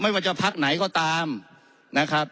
ว่าจะพักไหนก็ตามนะครับ